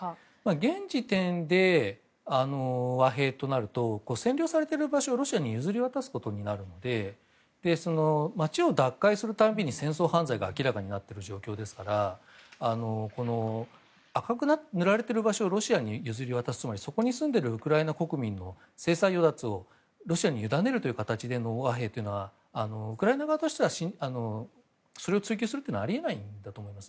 現時点で和平となると占領されている場所をロシアに譲り渡すことになるので街を奪回するたびに戦争犯罪が明らかになっている象徴ですから赤く塗られている場所をロシアに譲り渡すまでそこに住んでいるウクライナ国民の生殺与奪を、ロシアにゆだねる形での和平というのはウクライナ側としてはそれを追及するのはあり得ないんだと思います。